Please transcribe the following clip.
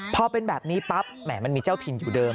พอเป็นแบบนี้ปั๊บแหมมันมีเจ้าถิ่นอยู่เดิม